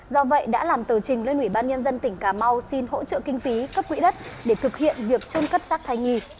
do vậy đã làm tờ trình lên ủy ban nhân dân tỉnh cà mau xin hỗ trợ kinh phí cấp quỹ đất để thực hiện việc trôn cất xác thai nhì